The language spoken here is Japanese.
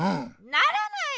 ならないよ！